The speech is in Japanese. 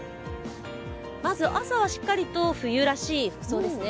まず朝はしっかりと冬らしい服装ですね。